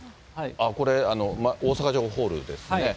これ、大阪城ホールですね。